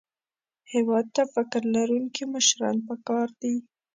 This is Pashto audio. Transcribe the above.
هېواد ته فکر لرونکي مشران پکار دي